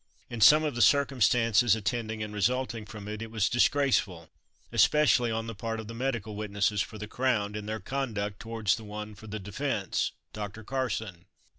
In some of the circumstances attending and resulting from it, it was disgraceful, especially on the part of the medical witnesses for the crown, in their conduct towards the one for the defence Dr. Carson.